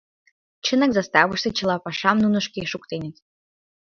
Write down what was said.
Чынак, заставыште чыла пашам нуно шке шуктеныт.